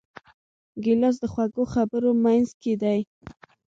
ګیلاس د خوږو خبرو منځکۍ دی.